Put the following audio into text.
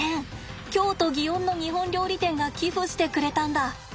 京都園の日本料理店が寄付してくれたんだ。